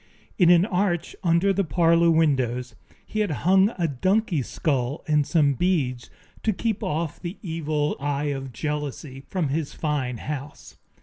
In an arch under the parlor windows he had hung a donkey's skull and some beads, to keep off the evil eye of jealousy from his fine house.